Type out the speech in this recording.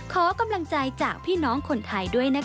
ขอกำลังใจจากพี่น้องคนไทยด้วยนะคะ